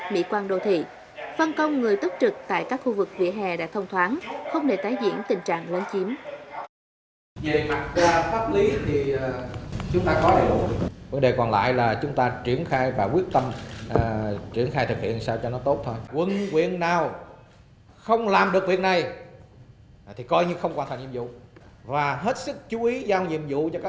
mỹ quan đô thị phân công người tốc trực tại các khu vực vĩa hè đã thông thoáng không để tái diễn tình trạng lấn chiếm